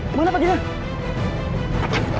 kemana pak cincinnya